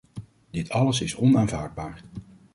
Dit alles is onaanvaardbaar.